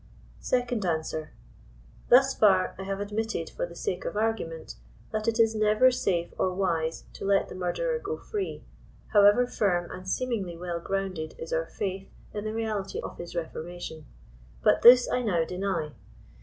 SECOND ANSWBR. Thus far I have admitted for the sake of argument, that it ia never safe or wise to let the murderer go free, however firm and seemingly well grounded is our faith in the reality of his reformation. But this I now deny.